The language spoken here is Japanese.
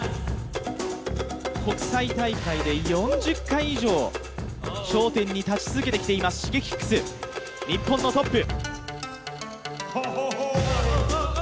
国際大会で４０回以上頂点に立ち続けてきていますＳｈｉｇｅｋｉｘ、日本のトップ。